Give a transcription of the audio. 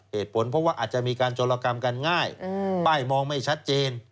เหตุผลเพราะว่าอาจจะมีการโจรกรรมกันง่ายป้ายมองไม่ชัดเจน